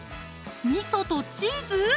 みそとチーズ⁉